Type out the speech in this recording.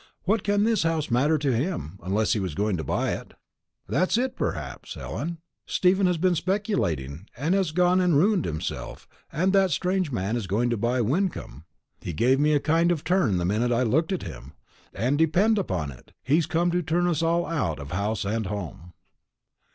What can this house matter to him, unless he was going to buy it? That's it, perhaps, Ellen. Stephen has been speculating, and has gone and ruined himself, and that strange man is going to buy Wyncomb. He gave me a kind of turn the minute I looked at him. And, depend upon it, he's come to turn us all out of house and home."